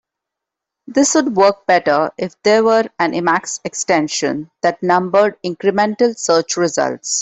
This would work better if there were an Emacs extension that numbered incremental search results.